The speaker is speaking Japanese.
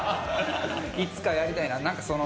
いつかやりたいな。